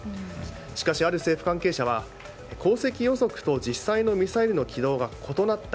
しかし、ある政府関係者は航跡予測と実際のミサイルの軌道が異なった。